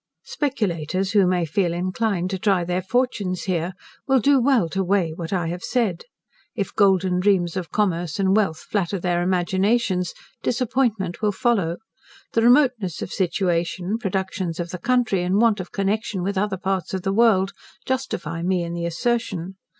Speculators who may feel inclined to try their fortunes here, will do well to weigh what I have said. If golden dreams of commerce and wealth flatter their imaginations, disappointment will follow: the remoteness of situation, productions of the country, and want of connection with other parts of the world, justify me in the assertion.